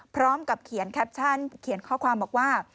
พร้อมกับเขียนแคปชั่นเขียนข้อความบอกว่า